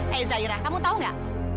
eh zaira kamu tahu gak